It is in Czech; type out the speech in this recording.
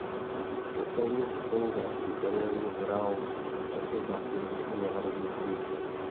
Po téměř celou hráčskou kariéru hrál také za irský národní tým.